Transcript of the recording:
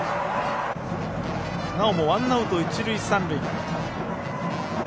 なおもワンアウト、一塁三塁。